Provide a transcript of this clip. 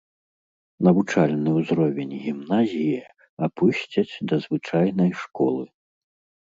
Навучальны ўзровень гімназіі апусцяць да звычайнай школы.